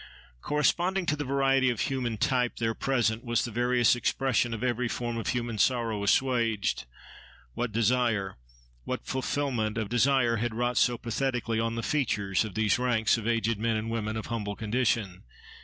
Corresponding to the variety of human type there present, was the various expression of every form of human sorrow assuaged. What desire, what fulfilment of desire, had wrought so pathetically on the features of these ranks of aged men and women of humble condition?